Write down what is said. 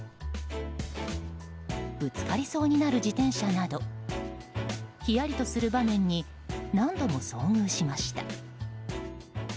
ぶつかりそうになる自転車などひやりとする場面に何度も遭遇しました。